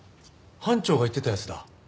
班長が言ってたやつだ。